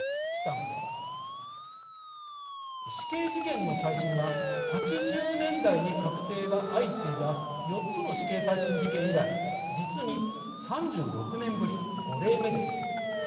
死刑事件の再審は８０年代に確定が相次いだ４つの死刑再審事件以来実に３６年ぶり５例目です。